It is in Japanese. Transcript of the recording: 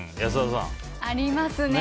ありますね。